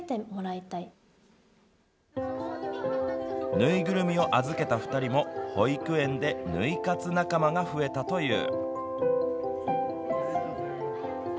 縫いぐるみを預けた２人も保育園でぬい活仲間が増えたという。